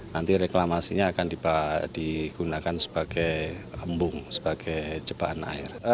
nanti reklamasinya akan digunakan sebagai embung sebagai jebaan air